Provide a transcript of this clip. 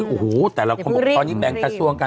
โอ้โหแต่ละคนบอกตอนนี้แบ่งกระทรวงกัน